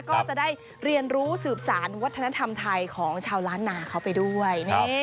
ก็จะได้เรียนรู้สืบสารวัฒนธรรมไทยของชาวล้านนาเขาไปด้วย